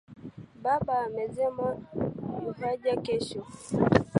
Baba amesema yuaja kesho